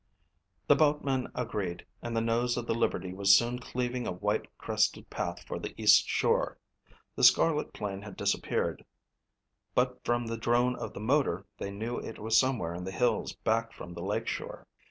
The boatman agreed and the nose of the Liberty was soon cleaving a white crested path for the east shore. The scarlet plane had disappeared but from the drone of the motor they knew it was somewhere in the hills back from the lakeshore.